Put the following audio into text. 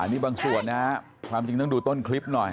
นี่บางส่วนนะความจริงต้องดูต้นคลิปหน่อย